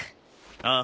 ああ。